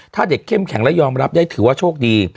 ถ้าเด็กเข้มแข็งและยอมรับได้ถือว่าโชคดี